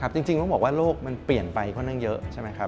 จริงมันบอกว่าโลกมันเปลี่ยนไปค่อนข้างเยอะ